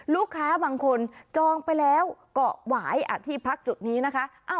ลูกค้าบางคนจองไปแล้วเกาะหวายที่พักจุดนี้นะคะ